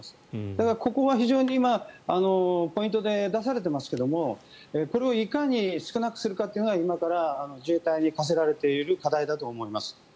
だから、ここが非常にポイントで出されていますけどこれをいかに少なくするのかというのが今から自衛隊に課せられている課題だと思います。